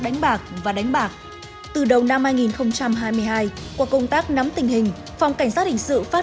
đánh bạc và đánh bạc từ đầu năm hai nghìn hai mươi hai qua công tác nắm tình hình phòng cảnh sát hình sự phát